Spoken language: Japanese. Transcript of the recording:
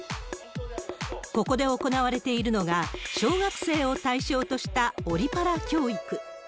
ここで行われているのが、小学生を対象としたオリパラ教育。